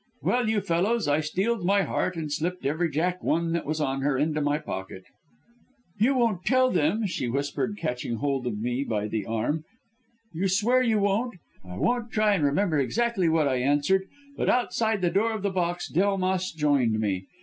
"Well, you fellows, I steeled my heart, and slipped every Jack one that was on her into my pocket. "'You won't tell them,' she whispered, catching hold of me by the arm, 'you swear you won't.' I won't try and remember exactly what I answered but outside the door of the box Delmas joined me.